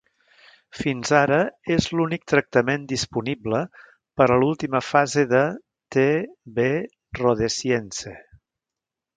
Fins ara, és l'únic tractament disponible per a l'última fase de "T. b. rhodesiense".